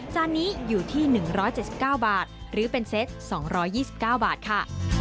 จานนี้อยู่ที่๑๗๙บาทหรือเป็นเซต๒๒๙บาทค่ะ